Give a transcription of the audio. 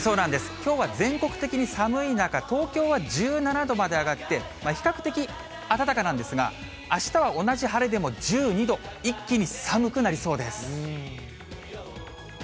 きょうは全国的に寒い中、東京は１７度まで上がって、比較的暖かなんですが、あしたは同じ晴れでも１２度、一気に寒くなりそうです。